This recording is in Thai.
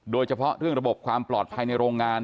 โดยเฉพาะเรื่องระบบความปลอดภัยในโรงงาน